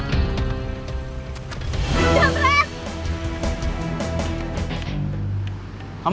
surayam surayam surayam